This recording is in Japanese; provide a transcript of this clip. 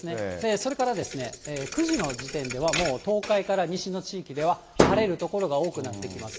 それから、９時の時点では、もう東海から西の地域では、晴れる所が多くなってきます。